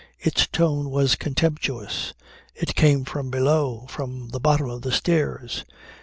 Its tone was contemptuous; it came from below, from the bottom of the stairs.